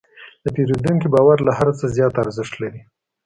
د پیرودونکي باور له هر څه زیات ارزښت لري.